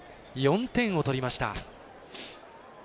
４点を取りました。